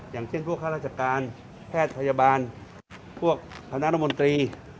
อย่างเช่นพวกข้าราชการแพทย์พยาบาลพวกคณะรัฐมนตรี